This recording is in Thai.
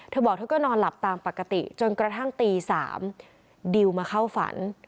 เธอบอกเธอก็นอนหลับตามปกติจนกระทั่งตี๓ดิวมาเข้าฝัน